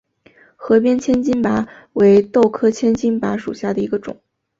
河边千斤拔为豆科千斤拔属下的一个种。